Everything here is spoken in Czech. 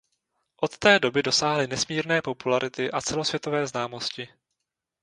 Od té doby dosáhli nesmírné popularity a celosvětové známosti.